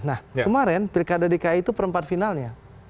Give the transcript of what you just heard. nah kemarin pilkada dki itu perempat finalnya